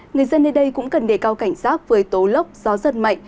người dân nơi đây cũng cần đề cao cảnh giác với tố lốc gió giật mạnh